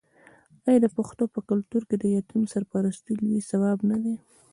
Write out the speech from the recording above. آیا د پښتنو په کلتور کې د یتیم سرپرستي لوی ثواب نه دی؟